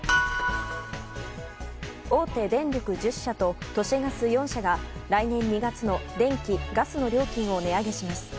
大手電力１０社と都市ガス４社が来年２月の電気・ガスの料金を値上げします。